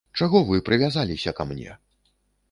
Чаго вы прывязаліся ка мне?